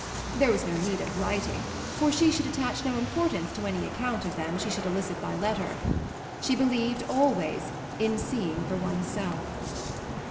There was no need of writing, for she should attach no importance to any account of them she should elicit by letter; she believed, always, in seeing for one's self.